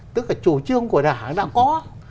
tức là chủ trương của đảng đã có